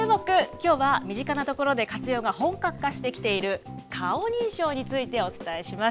きょうは、身近な所で活用が本格化してきている顔認証についてお伝えします。